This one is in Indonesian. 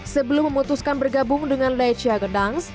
sebelum memutuskan bergabung dengan lecia gedangs